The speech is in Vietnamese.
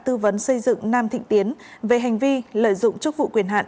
tư vấn xây dựng nam thịnh tiến về hành vi lợi dụng chức vụ quyền hạn